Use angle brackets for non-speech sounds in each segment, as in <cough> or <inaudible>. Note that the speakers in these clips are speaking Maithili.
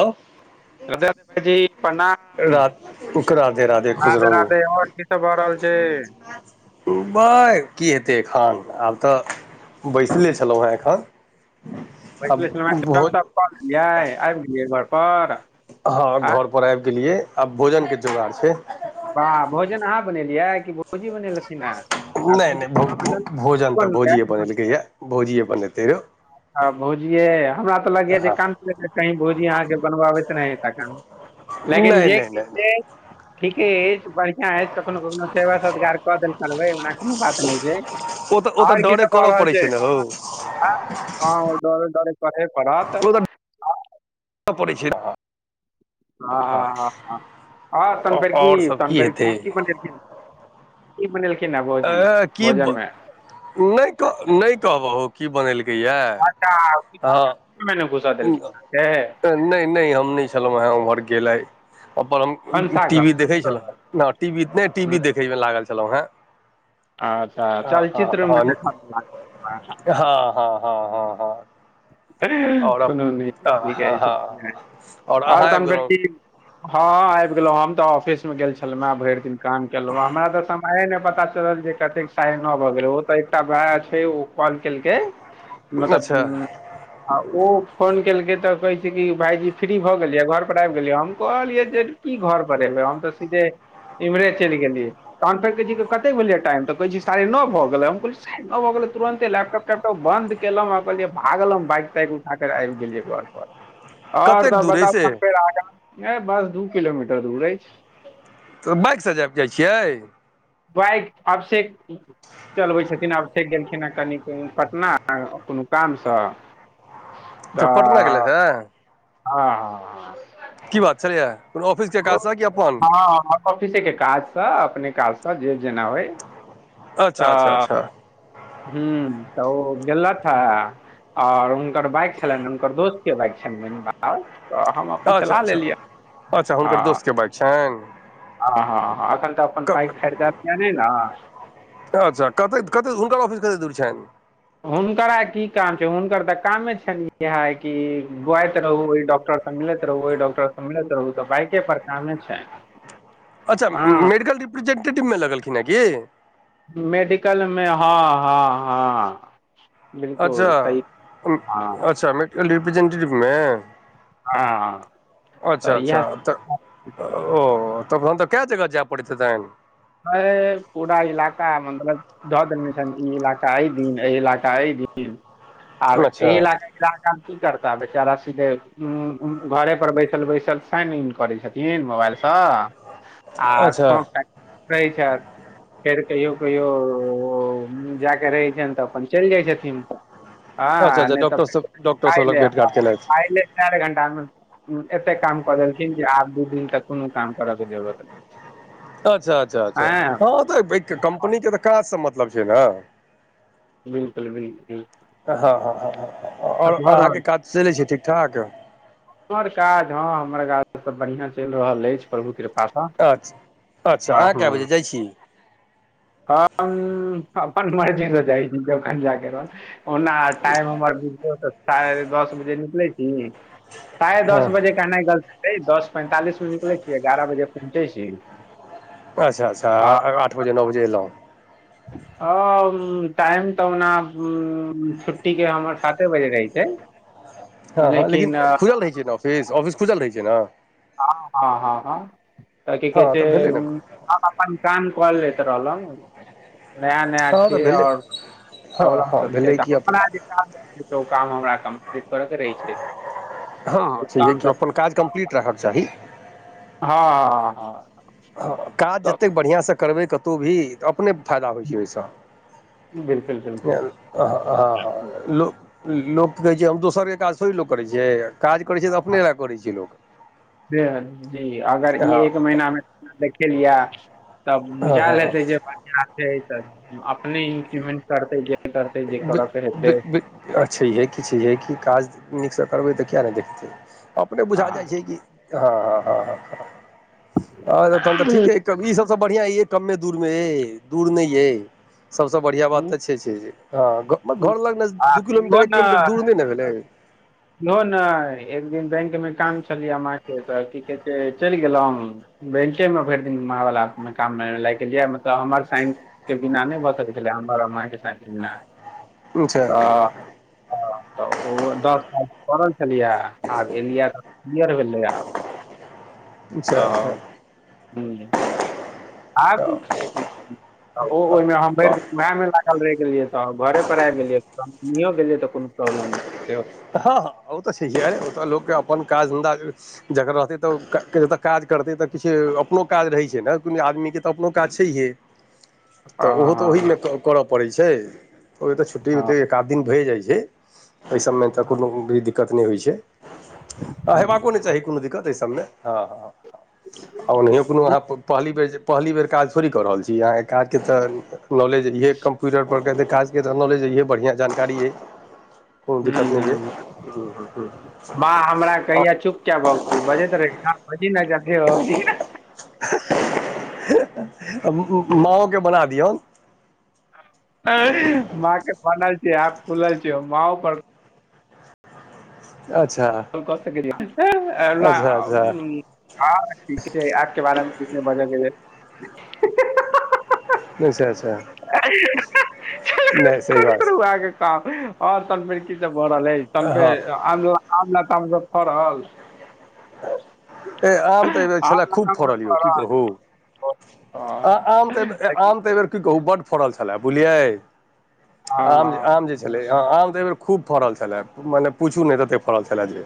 अ अध्यक्ष जी प्रणाम। उक राधे राधे। खुश राधे राधे रहू और की सब भऽ रहल छैय। बइ की हेतै एखन आब तऽ बैसले छलहुँ हेँ एखन। अब बहुत जाय ऐब गेलियै घरपर। हँ घर पर आइब गेलियै, आब भोजन के जोगार छैय। बाह भोजन अहाँ बनेलियै कि भौजी बनेलक। नै नै भ की भोजन तऽ बनलै भोजियए बनेलकै ये, भोजियए बनतै रौ। आ भोजिये, हमरा तऽ लगैया जे हँ कान पकेड़के कही भोजी अहाँके बनबाबैत नहि त क लेकिन नहि जे नहि नहि नहि ठीके बढ़ियां अएछ कखनो कखनो सेवा सतगार कऽ देल करबै ओना कोनो बात नै छैय। ओ तऽ ओ तऽ डरे करऽ पड़ै छैय ने हो। आ हँ ओ डरे डरे करे पड़त। तऽ <unintelligible> ह आ तन पेर की आओर सब तन पेर हेतै की की पनरक ई बनेलखिन आबो अ की ब नै नै कहबहु की बनेलकै यए। हँ नै ने घुसा देलकै अहाँके। नहि नहि हम नहि छलहुँ हें उम्हर गेलै अपन हम टी भनसाघर वी देखै छलहु, नै टी वी, नै टी हम्म, वी देखैमे लागल छलहुँ हें। अच्छा ह ह चलचित्र मे ह देखऽ मे लागल हँ हँ हँ हँ। हँ आओर कोनो नै हँ हँ आओर <unintelligible> और अहाँ आबि तहन फेर की गेलहुँ हां आएब गेलौ हम तऽ ऑफिसमे गेल छलौ ना भैर दिन काम केलौ हमरा तऽ समयए नै पता <unintelligible> जे कतेक साढ़े नौ भऽ गेल ओ त एकटा भाया छै उ कॉल केलकै मतलब अच्छा उम्म आ ओ फोन केलकै तऽ कहै छै कि भाइजी फ्री भऽ गेलियै, घर पर आएब गेलियै, हम कहलियै जे की घर पर एबै हम तऽ सीधे इमहरे चैल गेलियै। तहन फेर कहै छै कि कते भेलया टाइम तऽ कहै छै साढ़े नौ भ गेलै, हम कहलिये साढ़े नौ भ गेलै तुरंते लैपटॉप तैप त बन्द केलौ आ कहलिये आ गेलौ बाइक-ताइक उठा कर आएब गेलियै घर पर और कतेक सब दूर अइ बताउ से तहन फेर अगा नै बस दू किलोमीटर दूर एछ। तऽ बाइक से जाएब जाय छियै। बाइक अभषेक चलबै छथिन अभषेक गेलखिन हे कनि उम्म पटना अ कुनू काम से। अच्छा पटना गेलैन हय। हां-हां। की बात छलैया। हां हमर ऑफिसे के काज से, अपने काज से। त जे जेना होय आ अच्छा अच्छा अच्छा ह्म्म त ओ गेलथ हय। और हुनकर बाइक छलैन, हुनकर दोस्त के बाइक छलैन बाहर तऽ हम अपन अच्छा चला अच्छा लेलियै। अच्छा आ हुनकर दोस्तके बाइक आ हा हा हा एखन तऽ अपन बाइक छनि खरिदाबतिये नै ना। अच्छा कते-कते हुनकर ऑफिस कते दूर छैन। हुनकर आय की काम छै, हुनकर तऽ कामे छैन इहाए कि बुआइत रहु इ डॉक्टर संग मिलैत रहु, ओय डॉक्टर से मिलैत रहु त बाइके पर कामे छै। अच्छा मेडिकल रिप्रेजेंटेटिव मे लगलखिन अय की। मेडिकल मे हां-हां-हां। अच्छा, उम्म हँ अच्छा मेडिकल रिप्रेजेंटेटिव मे। हँ तऽ इएह अच्छा-अच्छा तऽ ओ तखन तऽ काय जगह जाय पड़ैत हेतैन। हय पूरा इलाका मतलब धऽ देेनै छैन, ई इलाका ए दिन ए इलाका ए दिन। दिन आएब ए अच्छा इलाका के <unintelligible> काम की करता बेचारा सीधे उम्म उ घरे पर बैसल-बैसल साइन इन करै छथि इन मोबाएल सँ। <inaudible> आर अच्छा <unintelligible> के रहै छैथ। फेर कहियो-कहियो ओ जाके रहै छैन तऽ अपन चैल जाय छथिन। अच्छा हां अच्छा नै ते डॉक्टर सब फेर डॉक्टर सब लग खायले भेट हां घाट केलथि खायले। चाएर घण्टा मे उम्म एतेक काम कऽ देलखिन जे आब दू दिन तक कुनू काम करऽ के जरूरत अच्छा अच्छा अच्छा हँ हां तऽ बे क कम्पनी के तऽ काज से मतलब छै नै। बिल्कुल बिल्कुल हां हां हां ह और भऽ अहाँ रहल के काज चलै छै ठीक-ठाक। हमर काज हां हमर काज त बढ़ियां चैल रहल एछ प्रभु कृपा अच्छ, अच्छा अहाँ काए बजे जाय छी। हम अपन मर्जी से जाय छी जखन जा के रहल ओना टाइम हमर <unintelligible> से साढ़े दस बजे निकलै छी, साढ़े हँ दस बजे एहना गलत छै दस पैंतालिस मे निकले छियै, एगारह बजे पहुँचे छी। अच्छा-अच्छा आ और आठ बजे, नौ बजे एलौ। औ उम्म टाइम तऽ ओना उम्म छुट्टी के हमर साते बजे रहै छै। हां हां लेकिन खुजल रहै छै नै ऑफिस, ऑफिस खुजल रहै छै नै। हां हां हां हां तऽ की हँ कहै छै तऽ भेलै ने उ हम अपन काम कर लैत रहलौ। नया-नया हँ तऽ छियै भेलै और हँ प्रॉब्लम हँ सब छै भेलै तऽ कि हम अपन अपना जे <unintelligible> त उ काम हमरा कम्प्लीट करऽ के रहै छै। हां ओ हां सहिये काम कि सब अपन काज कम्प्लीट राखै के चाही। हां हां हां हां। हाँ काज जतेक बढ़ियाँ से करबै कतो भी त अपने फायदा होय छै ओय से बिलकुल <unintelligible> बिलकुल हां-हां-हां लोक, लोक कहै छै हम दोसरके काज थोड़ी लोक करै छीये। हां बेहद जी अगर इ हँ एक महीना मे देखेलियए तब हँ बुझाएल हँ हँ हेतै जे अपन जानते ते अपने इंट्रूमेंट करतै कि दि-दि-दि। आ छैहिये कि छैहिये कि काज नीक से करबै तऽ किया नै देखतै, अपने आ बुझा जा छै कि हां-हां-हां-हां-हां और तहन तऽ ठीकै तब ई सबसे बढ़ियाँ इहे कमे दूरमे ए दूर नै ये। सबसे बढ़ियाँ बात तऽ छै छै जे हाँ ग म घर लग नजदी आ दू किलोमीटर, एक किलोमीटर दूर नै-नै भेलै। इहौ नै एक दिन बैंक मे काम छलियै माय के तऽ की कहै छै चेल गेलौ। बैंके मे भैर दिन मां वला में काम मे लाएग गेलियै, मतलब हमर साइन के बिना नै भ सकै छलै, हमर और मां के साइन के बिना। अच्छा त हां त उहो दस ता दौरल छलियै, आब एलियै तऽ क्लियर भेलै आब। अच्छा तऽ हुँ आब तऽ ओ ओय मे हम अच्छा भैर दिन उहाए में लागल रेह गेलियै तऽ घरे पर आएब गेलियै तहन नहियो गैलिये ते कुनू प्रॉब्लम ते ओ हां-हां ओ तऽ छैहिये अरे ओ तऽ लोक के अपन काज-धन्धा के जकर रहतै तऽ ओकरा के काज करतै तऽ किछु अपनो काज रहै छै नै कुनू आदमीके तऽ अपनो काज छैहये। तऽ हँ उहो तऽ हँ ओहिमे क करा पड़ै छै, ओय मे तऽ हँ छुट्टी-उट्टी एक-आध दिन भए जाय छै तै से तऽ कुनू भी दिक्कत नै होय छै आ हेबाको नै चाही कुनू दिक्कत ए सबमे। हाँ-हाँ-हाँ आ ओनहियो कुनू अहाँ प पहली बेर जे पहली बेर काज थोड़ी कऽ रहल छी, आय एकरा आर के तऽ नॉलेज इहे कम्प्यूटर पर के जे काज के जौ नॉलेज इहे बढ़ियाँ जानकारी अय। हूँ कत नै हूँ या हुं हुं। कैहिया चुप किया भ गेली, बजैत रही ना बजी ना जाके <unintelligible> <unintelligible> माँओे के बना दियौ। माँ के बनल छै, एप खुलल छै, मांओ पर अच्छा। कॉल कऽ सके रही अहां से अ ना अच्छा अच्छा उम्म हाँ ठीक छै ऐप के बारे मे किछ नै बाजै जेबे। अच्छा-अच्छा छै। नै सही बात छै। आ और सब में की सब भऽ रहल रहे तबे हँ आमों आमला-तामला फरल। ए आम तऽ एहि बेर आम छला खूब लताम सब फड़ल यौ की कहूं। अ आम तऽ एबेर आम तऽ एबेर की कहूं बड फड़ल छला बुझलियै हँ आम जे हँ आम जे छलै आम तऽ एहि बेर खूब फड़ल छलै मने पूछू ने तते फड़ल छलाए जे।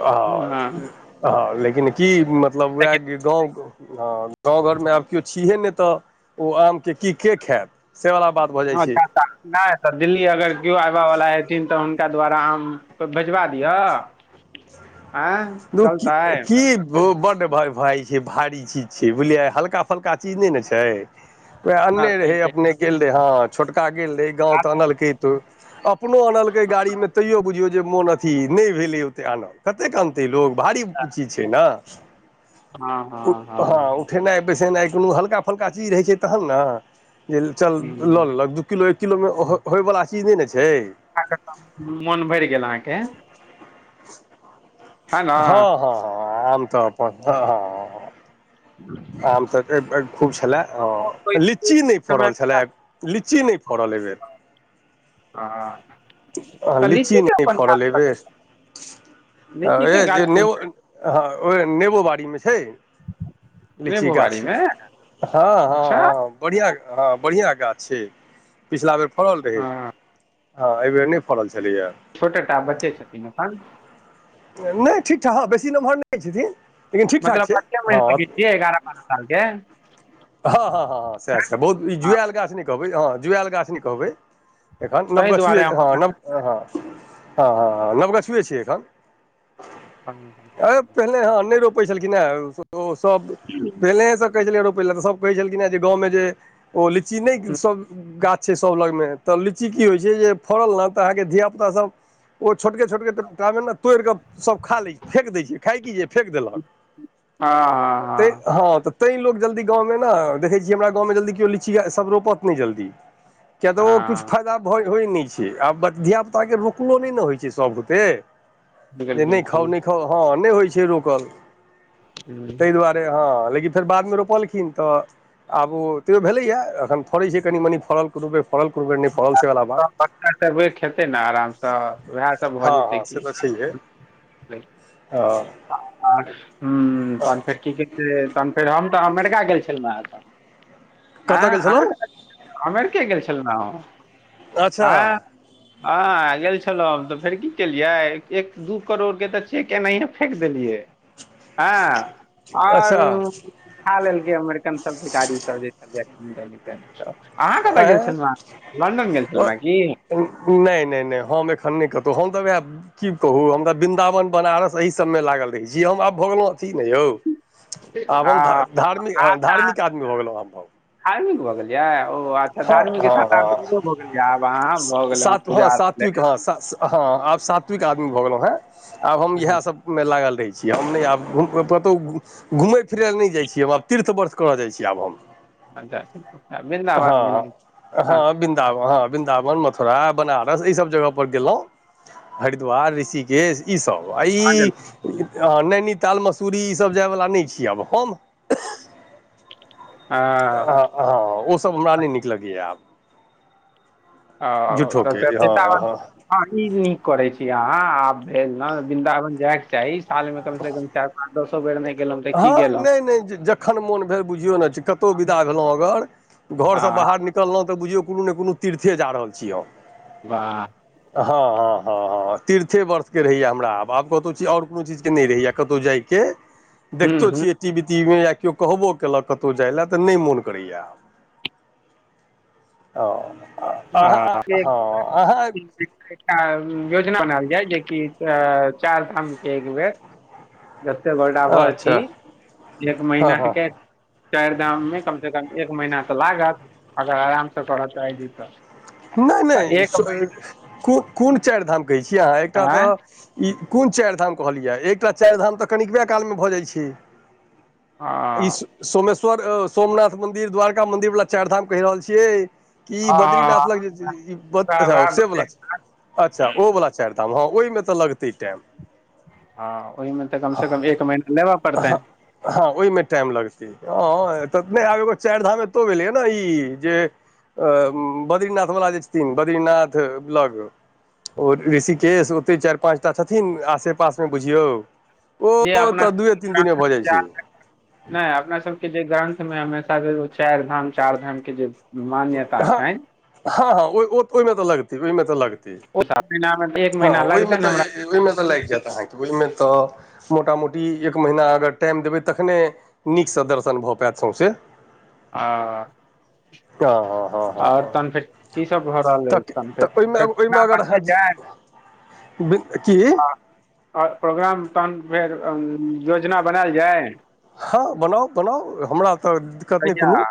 हांँ- हँ हाँ लेकिन की मतलब उहा कि गाँव - - हाँ गाँंव -घर मे आब केओ छिहे ने तऽ ओ आम के की के खायत सेवला बात। भऽ जाइ हाँ छै टका। ने तऽ दिल्ली अगर केओ आबय वला हेथिन तऽ हुनका द्वारा आम भेजबा दिहा। रुकी की। होअ बड्ड भय भारी छै भारी चीज छियै बुझलियै हल्का-फल्का चीज ने-ने छैय। वएह अन्ने बात सही रहे छै अपने गेल रहे हाँ छोटका गेल रहे गाँव तऽ आनलकै तू अप अपनो आनलकै गाड़ी मे तैयो बुझियौ जे मोन अथी ने भेलै ओते आनल कतेक आनत आनते लोग भारी चीज छै न हँ उठ हँ हँ हाँ उठ उठनाइ -बैसेनाइ कोनो हल्का- फल्का चीज है छै तहन न जे चल लऽ हुँ लेलक दु एक किलो एक किलोमे होइवला चीज नहि ने छै। खा क त मोन भैइर गेल अहाके। ने हँ हँ हँ आम तऽ अपन हँ हँ। आम तऽ भैर भैर खूब छलय हँ लीची नहि फड़ल छलय लीची नहि फड़ल एयबेर। आ आ आ। लीची नहि फड़ल अय बेर कतऽ लीचीके ऐह जे गाछ कोन नेबो। हँ ओ नेबो बाड़ी मे छैय। लीची बोआरी गाछ हँ मे हँ अच्छा हँ। बढ़िया हँ बढ़िया गाछ छैय पिछला बेर फड़ल रहय। हँ हा एहिबेर नहि फड़ल छलैया। छोटे टा बच्चे छथिन अपन। नय ठीक ठाह हँ बेसी नम्हर नय छेथिन। मतलब बच्चे माइन सकै छियै एगारह बारह सालके। हँ हँ हँ हँ सैह सब‌ बहुत निक। हँ जुऐल गाछ नहि कहबै हँ जुऐल गाछ नहि कहबै एखन ताहि नवगछुए दुआरे हँ नव। हँ हँ हँ हँ नवगछुवे छैय अखन। अय हम पहिले ह नहि रोपै छलखिन हैं ओ सब। किहौ। पहिलहे स कहय छलियैय ये रोपय लै त सब कहय छलखिनहैं जे गांव में जे ओ लिच्ची नय सब गा छै सभ लगमे तऽ लीची की होइ छैय जे फड़ल न तऽ अहाँके धियाापुतासभ। ओ छोटके छोटकेटटा मे न तोइर क सब खा लै छैय फेक दैय छैय। खाय की जे फेक देलहक हँ तैय हँ हं त। तैं लोक जल्दी गाँवमे न देखै छीय हमरा गाँवमे जल्दी केओ लीची सब रोपत नहि जल्दी। किया तऽ ओ हँ किछु हँ फायदा होइ नहि छैय आब बच धियापुताके रोकलो नहि न होइ छैय सभ बुते। बिलकुल जे नहि बिलकुल खाउ नहि खाउ हँ नहि होइ छैय रोकल हूँ तहि दुआरे। से हँ लेकिन फेर बादमे रोपलखिन तऽ। आब ओ तैयो भेलैए एखन फड़ै छैय कनि-मनि फड़ल कुनुबेर फड़ल कुनुबेर नय फड़ल से बला बात। बच्चा सब खेतै न आराम स वैह। हँ हँ से तऽ छैहे आ। ह आर हम्म तहन फेर की की कहै, तहन फेर हम तऽ अमेरिका गेल छलु हें अखन। कतय हां गेल अहाँ छलहुँ कता अमेरिके गेल छलु ना अच्छा हां। हां गेल छलौ हम तऽ फेर की केलियै एक, एक दू करोड़ के तऽ चेक एनैये फेक देलियै हां और अच्छा ठा लेलकै अमेरिकन सब भिखारी सब जे छलैया <unintelligible> सब। अहाँ कता गेल आँय छलु हैं, लंडन गेल छलु हैं की। एन नै नै नै हम एखन नै कतौ हम तऽ वाएह की कहु हम ते विन्दावन, बनारस अही सब मे लागल रहै छी, हम आब भऽ गेलौ अथी नैयौ, आब हम ध हँ धार्मिक आ हां धार्मिक आदमी भऽ गेलौ आब हम। धार्मिक भऽ गेलिये ओ आ अच्छा हँ धार्मिक के हँ साथ आब हँ दूरो भऽ गेलियै आब अहाँ भऽ गेलै आब बुझा रहले। हां आब सात्विक आदमी भऽ गेलौ हैं, आब हम इहाए सब मे लागल रहै छी, हम नै आब घु कतौ घुमै-फिरै लए नै जाय छी हम आब तीर्थ बर्थ करऽ जाय छी आब हम। हां जा। हां, हां बिन्दावन हां। बिन्दाबन, मथुरा, बनारस ई सब जगह पर गेलौ हरिद्वार ऋषिकेश। ई सब आ साँझल ई आ नैनीताल, मसूरी ई सब जाय वला नै छी आब हम। हँ आ हां ओ सब हमरा नै नीक लगैया आब। औ झूठोके तऽ <unintelligible> हँ बिंदावन हँ हां ई नीक करे छी अहाँ आब भेल ने वृन्दावन जायके चाही। साल में कम से कम चार पाँच दसो बेर नै गेलौ। हां नै-नै ज जखन मोन भेल बुझियौ ना छी कतौ विदा भेलौ अगर घर से हँ बाहर निकललौ तऽ बुझियौ कुनू ने कुनू तीर्थे जा रहल छी हम। वाह। हां-हां-हां-हां। हां तीर्थे वर्षके रहैया हमरा आब, आब कतौ चीज और कुनू चीजके नै रहैया कतौ जाय के। हूँ देखतो हूँ छियै टी वी ती वी मे या कियो कहबो केलक कतौ जाय लए तऽ नै मुन करैया आब। ओ अ अहा ह हां अहाँ एकटा योजना बनाएल जाय जे कि ए चाएर धामके एक बेर। जते गोटाभर छी अच्छा एक हँ महीना हँ के चाएर धाम मे कम से कम एक महीना तऽ लागत अगर आराम से करऽ चाहै छी तऽ। नै-नै तऽ एक सु ए महीना कु कुन चाएर धाम कहै छियै अहाँ एकटा तऽ आँय ई कुन चाएर धाम कहलियै, एकटा चाएर धाम तऽ कनिकबे कालमे भऽ जाय छै। आ ई सोमेश्वर ए सोमनाथ मंदिर, द्वारका मन्दिर वला चाएर धाम कैह रहल छियै। कि बद्रीनाथ लग हँ जे ई बद वाह अच्छा वाह से वला बहिन छै। अच्छा ओ वला चाएर धाम हां ओय मे तऽ लगतै टाइम। हां ओय मे तऽ कम से कम एक महीना लेबा पड़तैन। हां ओय मे टाइम लगतै हां तऽ नै आब एगो चाएर धाम एतौ भेलैया नै ई जे अ बद्रीनाथ बला जे छथिन बद्रीनाथ लग ओ ऋषिकेश ओते चाएर पाँचटा छथिन आसेपास मे बुझियौ। ओ जे अपना तऽ दुए तीन दिन मे भऽ जाय छै। नै अपना सबके जे ग्रन्थ मे हमेशा से एगो चाएर धाम, चार धामके जे मान्यता हां, छनि हां-हां ओय ओ ओय मे तऽ लगतै, ओय मे तऽ लगतै। ओ सबने नाम। हँ ओहिमे तऽ ओहिमे तऽ लागि जायत अहाँकेँ ओहिमे तऽ। मोट मोटी एक महीना अगर टाइम देबै तखने। नीकसँ दर्शन भऽ पात सौसे। आ। हँ हँ हँ हँ आओर हँ तहन फेर कीसभ भऽ रहल अछिइ तऽ तहन फेर तऽ ओहिमे फेर ओहिमे पटना अगर बनल अहाँ जाय। की। प्रोग्राम तहन फेर योजना बनायल जाय। हँ बनाउ बनाउ हमरा तऽ दिक्कत नहि कोनो।